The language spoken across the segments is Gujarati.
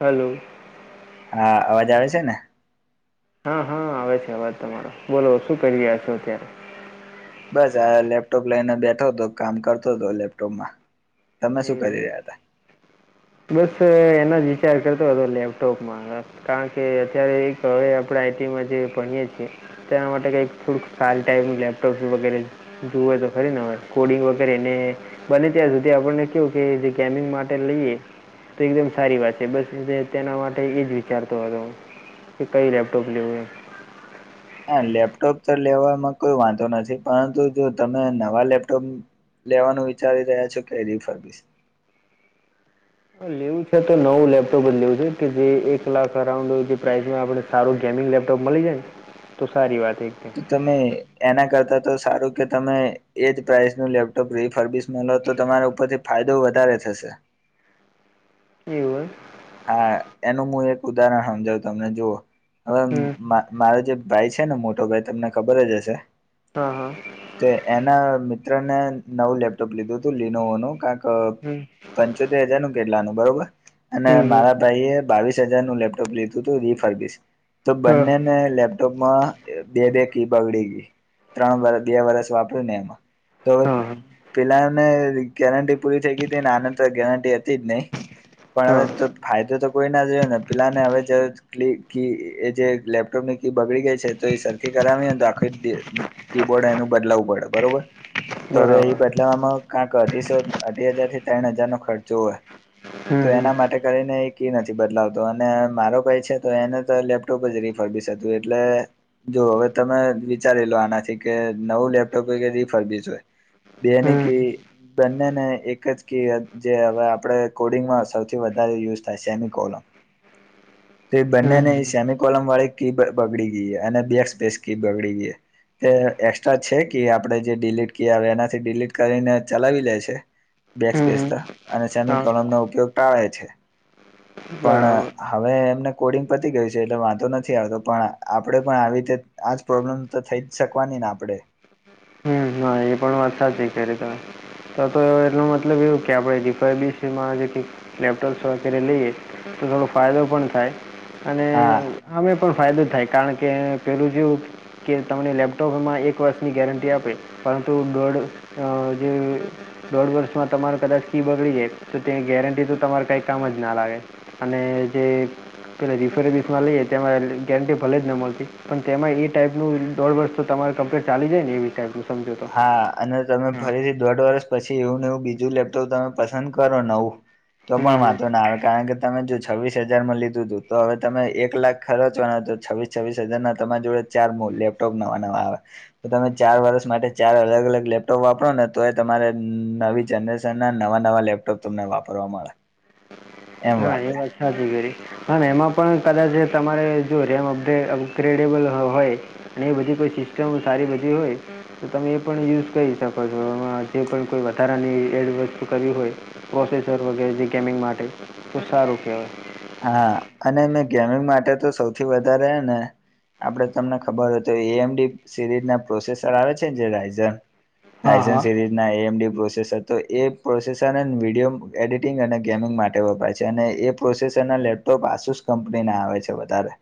હલો હા અવાજ આવે છે ને હા હા આવે છે અવાજ તમારો બોલો શું કરી રહયા છો અત્યારે બસ આ લેપટોપ લઈને બેઠો હતો કામ કરતો હતો લેપટોપ માં તમે શું એવું કરી એમ રહ્યા હતાા બસ એના જીચકતો અ લેપ્ટાપમાં કારણ કે અત્યારે એક હવે આપણે આઈટી જે ભણીએ છીએ તેના માટે કઈ થોડક ખાલ ટાઈપ લેપટોપ વગેરે જોુય તો ખરી ને કોડિંગ વગેરે ને ભલે ત્યાં સુધી આપણને કું કે જે ગેમિંગ માટે લઈએ તો એકદમ સારી વાત છે બસ તેના માટે એજ વિચારતો હતો હું કે કઈ લપટોપ લે હોય હા લેપટોપ તો લેવામાં કોઈ વાંધો નથી પરંતુ જો તમે નવા લેપટોપ લેવાનું વિચારી રહ્યા છો કે રફરી લેવું છે તો નવું લેપટોપ જ લેવું છે કે જે એક લાખ અરાઉન્ડ જે પ્રાઇસમાં આપણે. સારું ગેમિંગ લેપટોપ મળી જાય ને તો સારી વાત એક. તો તમે એના કરતા તો સારું કે તમે. એજ પ્રાઇસ નું લેપટોપ રિફર્બિસ મલ તો તમાર ઉપરથી ફાયદો વધારે થશે. એવું એમ. હા એનું મુ એક ઉદાહરણ હમજાવું તમે જુઓ હવે અમ એમ હમ મા મારો જે ભાઈ છે ને મોટો ભાઈ તમને ખબર જ હશે. હા હા. તે એના મિત્રને નવું લેપટોપ લીધું હતું લિનોવનું કાન્ક હમ પંચોતેર હજાર નું કેટલાનું બરોબર. અને હમ હમ મારા ભાઈએ બાવીસ હજારનું લેપટોપ લીધું તું રિફર્બિસ તો હા બંનેને લેપ ટૂંકમ બે બે કી બગડી ગઈ ત્રણ વરસ બે વરસ વાપર્યું ને એમાં. તો હા પેલાને ગેરંટી પૂરી થઈ ગીતી ને આન તો ગેરંટી હતી જ નહી. પણ હવે હા હા તો ફાયદો તો કોઈ ના જ રહ્યો ને પેલાને હવે જજ એ કી એ જે લેપટોપ ને કી બગડી ગઈ છે તો એ સરખી કરાવીએન તો આખી ડે કીબોર્ડ એનું બદલાવું પડ બરોબર. તો હવે બરાબર એ બદલાવવામાં કકાંક અઢીસો અઢી હજાર થી તૈણ હજાર નો ખર્ચો હ. તો હમ હમ એના માટે કરીને એ કી નથી બદલાવતો અને મારો છે તો એને તો લેપ તો પછી રીફર્બીસ એટલે જો હવે તમે વિચારી લો આનાથી કે નવું લેપટોપ હોય કે રીફર્બીસ જોય. બે ની કી હમ બંનેને એક જ કી હત જે હવે આપણે કોડિંગમાં અસ સૌથી વધારે યુઝ થાય સેમિકોલમ. તો એ હમ બંનેની સેમી કોલમ વાળી કીબ બગડી ગઈ અને બેક્સ સ્પેસ કી બગડી ગઈ. તે એસ્ટ્રા છે કે આપણે જે ડીલીટ કી આવે એનાથી ડીલીટ કરીને ચલાવી લે છે. બેક હમ સ્પેસ હમ તો અને સેમી હા કોલમનો ઉપયોગ ટાળે છે. બરાબર પણ હવે એમને કોડિંગ પતી ગયું છે એટલે વાંધો નથી આવતો પણ આપણેે પણ આવી રીતે આજ પ્રોબ્લેમ તો થઈ જ શકવાની ને આપડે. હમ હ એ પણ વાત સાચી કરી તમે. તો તો એનો મતલબ એવું કે રીફર્બીસમાં જે કઈ લેપટોપ્સ વગેરે લઈએ તો થોડો ફાયદો પણ થાય અને હા અમે પણ ફાયદો થાય કારણ કે પેલું જેવું કે તમને લેપટોપમાં એક વર્ષની ગેરંટી આપે તો દોઢ અ જે દોઢ વર્ષમાં તમારે કદાચ કી બગડી જાય તો તેની ગેરંટી તો તમારે કઈ કામ જ ના લાગે. અને જે પેલા રીફર્બીસમાં લઈએ તેમાં ગેરંટી ભલે જ ન મળતી પણ તેમાં એ ટાઈપનું દોઢ વર્ષ તો તમાર કમ્પ્લેટ ચાલી જાય ને એવી ટાઈપનું સમજો તો. હા અને તમે હા ફરીથી દોઢ વર્ષ પછી એવું ને એવું બીજું લેપટોપ તમે પસંદ કરો નવું તો હમ પણ વાતો હમ ના આવે કારણ કે તમે જો છવ્વીસ હજારમાં લીધું હતું તો હવે તમે એક લાખ ખરચવાના તો છવ્વીસ છવ્વીસ હજાર ના તમાર જોડે ચાર મો લેપટોપ નવા નવા આવ. તો તમે ચાર વર્ષ માટે ચાર અલગ અલગ લેપટોપ વાપરો ને તો એ તમારે નવી જનરેશનના નવા નવા લેપટોપ તમને વાપરવા મળ. એમ વાત. હજુ કરી. પણ એમાં પણ કદાચ તમારે જો રેમ અપડે અપગ્રેડિબલ હોય અને એ બધી કોઈ સિસ્ટમ સારી બધી હોય તો તમે એ પણ યુઝ કરી શકો છો એમાં જે પણ કોઈ વધારાની એડ વસ્તુ કરવી હોય. પ્રોસેસર વગેરે જે ગેમિંગ માટે તો સારું કહેવાય. હા અનેં ગેમિંગ માટે તો સૌથી વધારે ને. આપડે તમને ખબર હોય તો એમડી સિરીઝ ના પ્રોસેસર આવે છે ને જે રાાયઝર હા રાયઝન હા સિરીઝ ના એમડી પ્રોસેસર તો એ પ્રોસેસરને વિડીયો એડિટિંગ અને ગેમિંગ માટે વપરાય છે ને પ્રોસેસર ના લેપટોપ આસુસ કંપની ના આવે છે વધારે.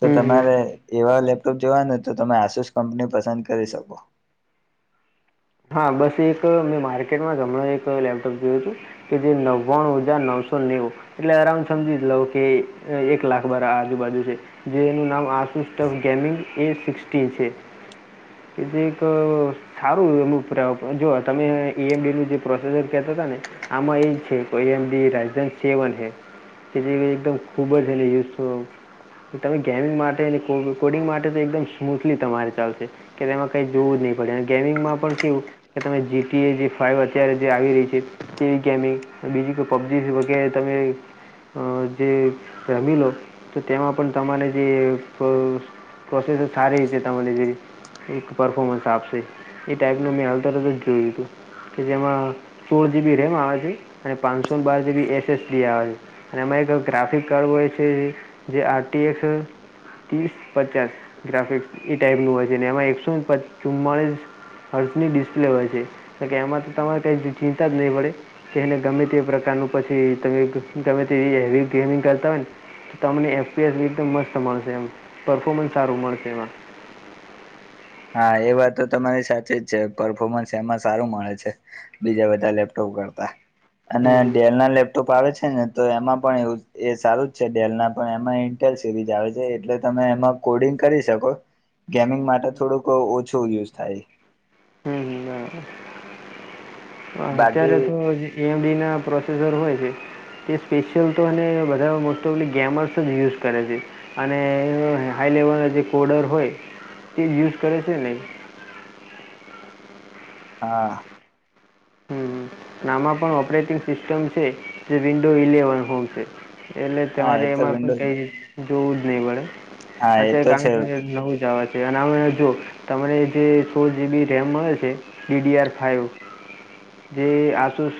તો હમ હમ તમારે એવા લેપટોપ જોવાનું તો તમે આસુસ કંપની પસંદ કરી શકો. હા બસ એક મેં માર્કેટમાં જ હમણાં એક લેપટોપ જોયું હતું. કે જે નવ્વાણું હજાર નવસો નેવું. એટલે અરાઉડ સમજી જ લઉ કે એક લાખ બરા આજુબાજુ છે. જે એનું નામ આશુષ્ટફ ગેમિંગ એ સિક્સટી છે. એ જે એક સારું અમુક. રા જો તમે ઈ એમડી નું જે પ્રોસેસર કહેતા હતા ને. આમાં એ છે એમ રાજધા સેવન હ. તે એકદમ ખૂબ જ એને યુઝ. તમે ગેમિંગ માટે અને કો કોડિંગ માટે તો એકદમ સ્મૂથલી તમારે ચાલશે. કે તેમાં કઈ જોવું જ નહી પડે ગેમિંગમાં પણ કેવું. કે તમે જીી એ જે ફાઈવ અત્યારે જે આવી રહી છે તેવી ગેમિંગ બીજી કોઈ પબજી. કે તમે. અ જે રમી લો તો તેમાં પણ તમારે જે. પ્રોસેસ સારી રીતે તને જે એક પરફોર્મન્સ આપશે. ટેકનોમી હલતલ જ જોયું હતું. કે જેમાં સોળ જીબી રેમ આવે છે અને પાંચસો બાર જીબી એસએસડી આવે છે. અને એમાં એક ગ્રાફિક કાર્ડ હોય છે જે આરટીએસ. ત્રીસ પચાસ ગ્રાફિક એ ટાઈપ નું હોય છે એમાં એકસો ચુમમાળસ. હર્ષની ડિસ્પ્લે હોય છે તો કે એમાં તો તમારે કઈ ચિંતા જ નહીં પડે. કે એને ગમે તે પ્રકારનું પછી તમે ગમે તે હ ગેમિંગ કરતા હોય ને. તમને એફપીએસ રીતે મસ્ત મળશે એમ પરફોમન્સ સારું મળશે એમાં. હા એ વાત તો તમારી સાચી જ છે પરફોર્મન્સ એમાં સારું મળે છે. બીજા બધા લેપટોપ કરતા અને હમ હમ ડેલ ના લેપ. ોપ આવે છે ને તો એમાં પણ એ સારું જ છે ડેલ ના પણ એમાં ઇન્ટેલ સિરીઝ આવે છે એટલે તમે એમાં. કોડિંગ કરી શકો ગેમિંગ માટે થોડુંક ઓછું યુઝ થાય. હમ અત્યારે બાકી તો. એમડી ના પ્રોસેસર હોય છે. તે સ્પેશિયલ તો બધા મોસ્ટ ઓફલી ગેમર્સ જ યુઝ કરે છે. અનેનો હાઈ લેવલના જે કોડર હોય તે યુઝ કરે છે નહીં. હા. હમ આમાં પણ ઓપરેટિંગ સિસ્ટમ છે જે વિન્ડો ઇલેવન હોમ છે. એટલે હા એ તમારે તો એમાં વિન્ડો પણ કઈ જોવું જ નહી પડે. હા એ અત્યારે તો કામ છે નવું જવા છે. અનેનામ જો તમને જે સો જીબી રેમ મળે છે ડીડી આર ફાઇવ. જે આસુસ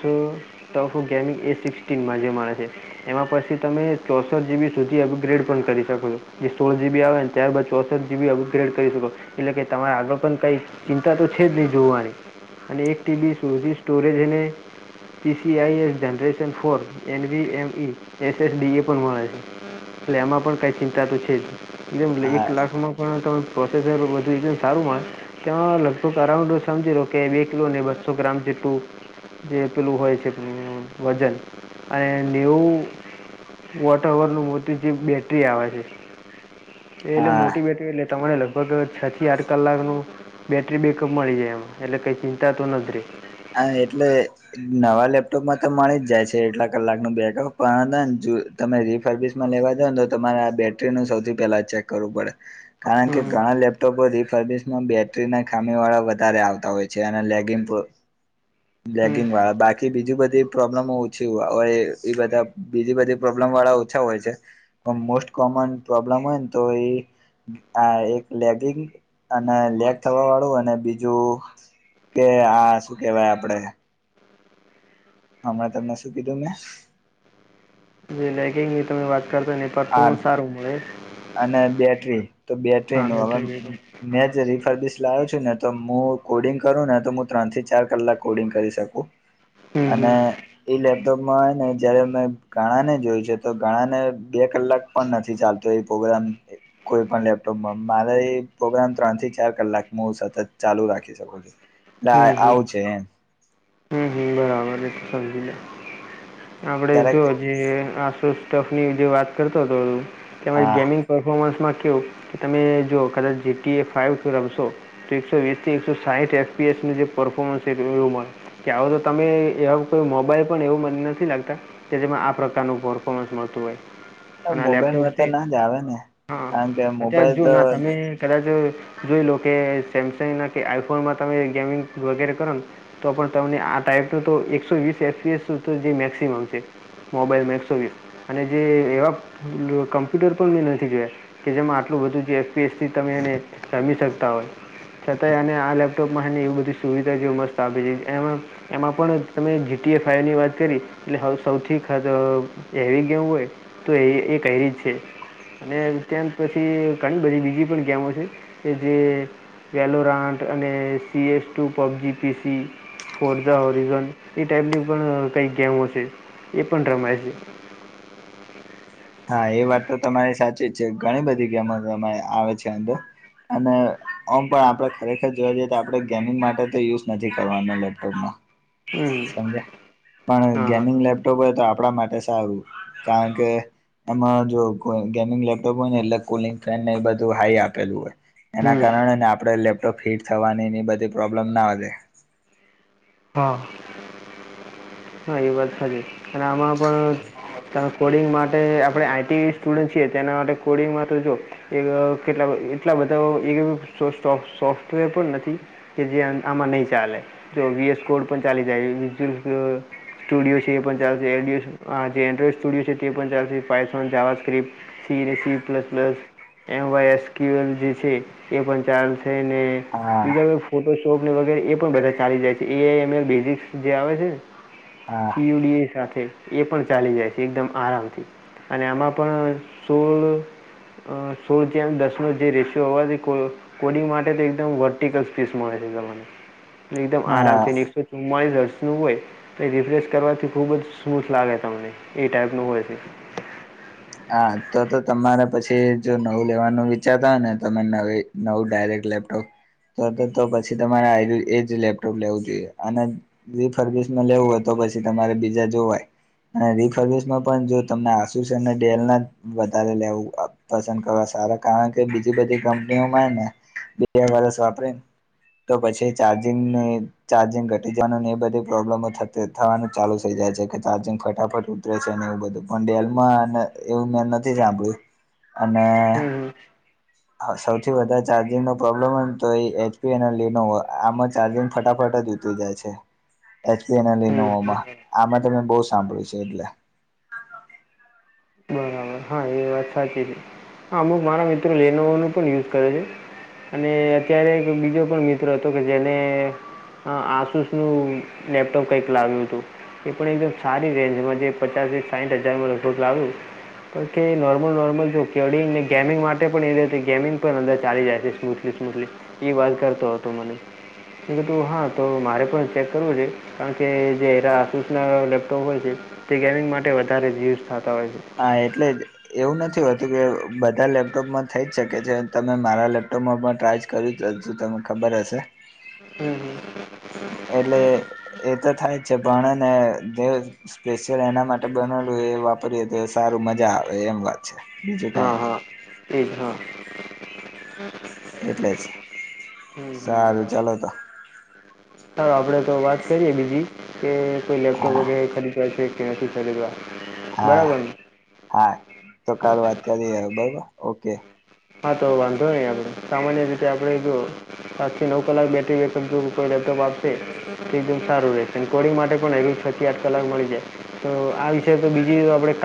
ટફો ગેમિંગ એ સિક્સટીનમાં જે મારે છે એમાં પછી તમે ચોસઠ જીબી સુધી અપગ્રેડ પણ કરી શકો છો જે સોળ જીબી આવે ને. ત્યારબાદ ચોસઠ જીબી અપગ્રેડ કરી શકો એટલે કે તમારે આગળ પણ કંઈક. ચિંતા તો છે જ નહીં જોવાની અને એક ટીબી સુધી સ્ટોરેજને. PCIe generation four NVMe SSD એ પણ મળે છે. એટલે એમાં પણ કઈ ચિંતા તો છે જ હા એક લાખમાં. પણ ત પ્રોસેસર બધું એકમ સારું મળ. તેમાં લગભગ અરાઉન્ડ સમજી લો કે બે કિલોને બસો ગ્રામ જેટલું. જે પેલું હોય છે વજન અને ન્યું. વોટર ઓવરનું મોટીજી બેટરી આવે છે. એટલે હા મોટી એટલે તમારે લગભગ છ થી આઠ કલાક નું બેટરી બેકઅપ મળી જાય એમાં એટલે કઈ ચિંતા તો નથી રહી હા એટલે નવા લેપટોપમાં તો મળી જ જાય છે એટલા કલાક ન બેકઅપ પણ હતા ને જો તમે રિફર્િ લેવા દો ને તો તમારે આ બેટરી ન સૌથી પેલા ચેક કરવું પડે કારણ કે હમ ઘણા લેપટોપો રિફર્ બેટરી ના ખામી વાળા વધારે આવતા હોય છે અને લેગિ હમ બ્ગિંગ વાળા બાકી બીજું બધી પ્રોબ્લેમો ઓછી હોય એ બધા બીજી બધી પ્રોબ્લેમ વાળા ઓછા હોય છે. મોસ્ટ કોમન પ્રોબ્લેમ હોય ને તો એ આ એક લેગિંગ અને લેગ થવા વાળું અને બીજું કે આ શું કેવાય આપડે હમણાં તમને શું કીધું મેં? જે લેગિંગની તમે વાત કરતા એને આ પરફોર્મન્સ સારું મળે. અને બેટરી તો બેટરી હા ન હવે બેકઅપ મેં જે રીફરબિસ લાવ્યો છું ને તો હું કોડિંગ કરું ને તો હું ત્રણ થી ચાર કલાક કોડિંગ કરી શકું. હમ અને હમ એ લેપ તો ને જયારે મેં ગાણા ને જોયું છે તો ગણા ને બે કલાક પણ નથી ચાલ એ પ્રોગ્રામ. કોઈ પણ લેપટોપમાં મારે પ્રોગ્રામ ત્રણ થી ચાર કલાક હું સતત ચાલુ રાખી શકું છું. હમ હમ આવું છે એમ. હમ હમ બરાબર એ તો સમજી લે આપડે ક્યારેક જો હજી આસ ની જે વાત કરતો હતો તેમાં હા ગેમિંગ પરફોર્મન્સમાં કેવું કે તમે જો કદાચ જેીટીએ ફાઈવ રમશો તો એકસો વીસ થી એકસો સાહીઠ એફપીએસનું જે પરફોર્મન્સ છે એવું મળે કે આવો તો તમે એવા કોઈ મોબાઈલ પણ એવું મને નથી લાગતા કે જેમાં આ પ્રકારનું પરફોર્મન્સ મળતું હોય. અને લેપટોપ મોબાઈલમાં તો છે ના જ આવે ને હા કારણ કે અત્યારે મોબાઈલ જો તો ના તમે કદાચ જોઈ લો કે સેમસંગના કે આઈફોનમાં તમે ગેમિંગ વગેરે કરો ને તો પણ તને આ ટાઈપ એકસો જે મેક્સિમમ છે મોબાઈલ મે એકસો વીસ અને જે એવા કમ્પ્યુટર પણ મેં નથી જોયા કે જેમાં આટલું બધું જે એસપી એસથી તમે એને રમી શકતા હોય. છતાંય અનેને આ લેપટોપમાંને એવી બધી સુવિધા જે મસ્ત આપે છે એમાં એમાં પણ તમે જીટીએ ફાઈવ ની વાત કરી એટલે સૌથી હેવી ગેમ હોય તો એ એ કઈ રત છે? અને ત્યાંત પછી ઘણી બધી બીજી પણ ગેમો છે કે જે વેલોરાટ અને C S two PUBG PC Forza Horizon એ ટાઈપની પણ કંઈક ગેમો છે એ પણ રમાય છે. હા એ વાત તો તમારી સાચી જ છે ઘણી બધી ગેમો આવે છે અંદર. અને ઓમ પણ આપડે ખરેખર જોવા જઈએ તો આપડે ગેમિંગ માટે તો યુઝ નથી કરવાનો લે [unintelligible] હમ સમજયા પણ હા હા ગેમિંગ લેપટોપ હોય તો આપણા માટે સારું કારણ કે એમાં જો ગેમિંગ લેપટોપ હોય ને એટલે કુલિંગ ફેન ને એ બધું હાઈ આપેલું હોય એના હમ કારણે ને આપણેે લેપટોપ હીટ થવાની એની બધી પ્રોબ્લેમ ના વધે. હા હા એ વાત સારી. અને આમાં પણ ત કોડિંગ માટે માટે આપણે આઈટી સ્ટુડન્ટ છીએ તેના માટે કોડિંગ મા તો જો કેટ એટલા બધા સોફ્ટવેર પણ નથી. કે જે આમાં નહી ચાલે જો વીએસ કોડ પણ ચાલી જાય. સ્ટુડિયો છે એ પણ ચાલશે એલડીઓ જે એન્ડ્રોઈડ સ્ટુડિયો છે તે એ પણ ચાલશે Python JavaScript C C plus plus MySQL જે છે એ પણ ચાલશે ને હા બીજા ફોટોશોપ ને વગેરે એ પણ બધા ચાલી જાય છે એઆઈ બેઝિક્સ જે આવે છે ને- હા સીયડી સાથે એ પણ ચાલી જાય છે એકદમ આરામથી. અને આમાં પણ સોલ અ સોળ જેમ દસનો જે રેશિયો હોવાથી કો કોડિંગ માટે તો એકદમ વર્ટિકલ સ્પેસ મળે છે તમને એકદમ હા આરામથી નીક કે ચૂમાલીસ રસ્યુ હોય. તો એ રિફ્રેશ કરવાથી ખુબ જ સ્મૂથ લાગે તમને એ ટાઈપનું હોય છે. હા તો તો તમારે પછી જો નવું લેવાનું વિચારતા હો ને તમે નવી નવું ડાયરેક્ટ લેપટોપ તો તો તો પછી તમારે આરયુ એજ લેપટોપ લેવું જોઈએ અને બી ફરગીસમાં લેવું હોય તો પછી તમારે બીજા જોવાય. અને રીફરગીસમાં પણ જો તમને આશિષ અને ડેલ ના વધારે લેવું અ પસંદ કરવા સારા કારણ કે બીજી બધી કંપનીઓમાં હે ને બે વરસ વાપરે ને તો પછી ચાર્જિંગની ચાર્જિંગ ઘટી જવાનું ને એ બધી પ્રોબ્લમો થતી થવાનું ચાલુ થઈ જાય છે કે ચાર્જિંગ ફટાફટ ઉત ઉતરે છે ને એવું બધું પણ ડેલમાં મેં એવું મેં નથી સાંભળ્યું અને હમ હમ [inaudible] હા સૌથી વધારે ચાર્જિંગનો પ્રોબ્લમ હોય ને તો એ એચપી અને લેનોવો આમાં ચાર્જિંગ ફટાફટ જ ઉત ઉતરી જાય છે એચપી અને હમ લેનોવોમાં હમ આમાં તમે બહુ સાંભળ્યું છે એટલે. બરાબર હા એ વાત સાચી છે. હહ અમુક મારા મિત્રો લેનોવોનું પણ યુઝ કરે છે. અને અત્યારે એક બીજો પણ મિત્ર હતો કે જેને હહ આસુસનું લેપટોપ કંઈક લાવ્યું તું. એ પણ એકદમ સારી રેન્જમાં જે પચાસથી સાઈઠ હજારમાં લગભગ લાવ્યું. કારણ કે નોર્મલ નોર્મલ જો કેડિંગ ને ગેમિંગ માટે પણ એ રહે તે ગેમિંગ પણ અંદર ચાલી જાય છે સ્મૂથલી સ્મૂથલી. ઈ વાત કરતો હતો મને મેં કીધું હા તો મારે પણ ચેક કરવું જોઈએ. કારણ કે જે એરા આસુસના લેપટોપ હોય છે તે ગેમિંગ માટે વધારે યુઝ થાતા હોય છે. હા એટલે જ એવું નથી હોતું કે બધા લેપટોપમાં થઈ જ શકે છે તમે મારા લેપટોપમાં પણ ટ્રાય જ કર્યું તો તમને ખબર હશે. હમ હમ એટલે એતો થાય જ છે પણ હે ને [inaudible] સ્પેશિયલ એના માટે બનેલું એ વાપરીએ તો એ સારું મજા આવે એમ વાત છે બીજું કાઈ નહી. એજ હહ. એટલે જ સારું ચલો તો હારુ આપડે તો વાત કરીએે બીજી કે કોઈ લેપટોપ હા વગેરે ખરીદવા છે. કે નથી ખરીદવા. હા બરાબર ને હા તો હા કાલ વાત કરીએ બરોબર ઓકે. હા તો વાંધો નહી આપડે સામાન્ય રીતે આપડે જો પાંચથી નવ કલાક બેટરી બેકઅપ જેવું કોઈ લેપટોપ આપશે તો એકદમ સારું રે. ને કોડિંગ માટે પણ એવી છ થી આઠ કલાક મળી જાય તો આ વિશે તો બીજી આપણે [inaudible]